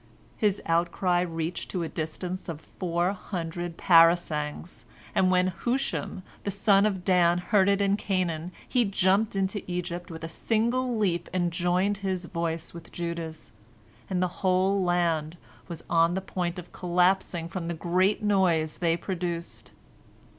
" His outcry reached to a distance of four hundred parasangs, and when Hushim the son of Dan heard it in Canaan, he jumped into Egypt with a single leap and joined his voice with Judah's, and the whole land was on the point of collapsing from the great noise they produced.